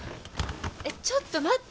えっちょっと待って！